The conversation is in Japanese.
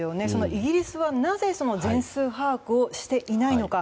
イギリスはなぜ全数把握をしていないのか。